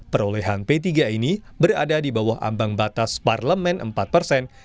perolehan p tiga ini berada di bawah ambang batas parlemen empat persen